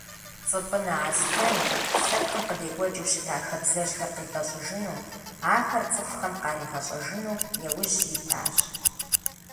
Цӏыпӏынэ Аслъэн лъэпкъым къыдекӏуэкӏыу щыта хабзэжьхэр къитӏэщӏыжыну, ахэр цӏыхухэм къаригъэщӏэжыну яужь итащ.